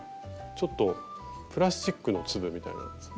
ちょっとプラスチックの粒みたいなやつ